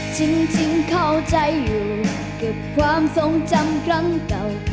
จริงเข้าใจอยู่กับความทรงจำครั้งเก่า